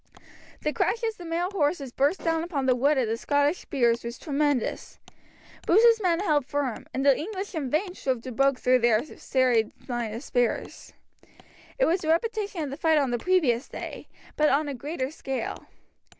The crash as the mailed horses burst down upon the wood of Scottish spears was tremendous. Bruce's men held firm, and the English in vain strove to break through their serried line of spears. It was a repetition of the fight of the previous day, but on a greater scale.